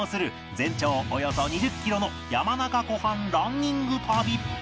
全長およそ２０キロの山中湖畔ランニング旅